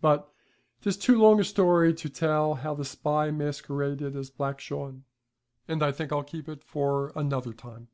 But 'tis too long a story to tell how the spy masqueraded as Black Shawn, and I think I'll keep it for another time.